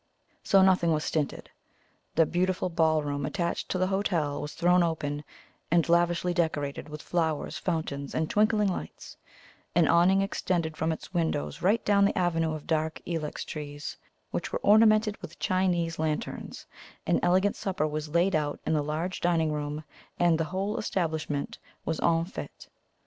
So nothing was stinted; the beautiful ballroom attached to the hotel was thrown open, and lavishly decorated with flowers, fountains, and twinkling lights; an awning extended from its windows right down the avenue of dark ilex trees, which were ornamented with Chinese lanterns; an elegant supper was laid out in the large dining room, and the whole establishment was en fete.